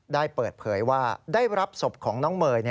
ได้เปิดเผยว่าได้รับศพของน้องเมย์